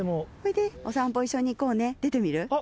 お散歩一緒に行こうね出てみる？